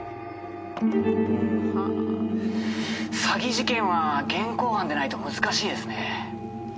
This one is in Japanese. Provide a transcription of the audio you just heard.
詐欺事件は現行犯でないと難しいですね。